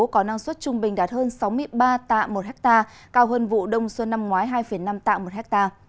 có năng suất trung bình đạt hơn sáu mươi ba tạ một ha cao hơn vụ đông xuân năm ngoái hai năm tạ một ha